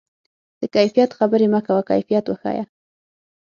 د کیفیت خبرې مه کوه، کیفیت وښیه.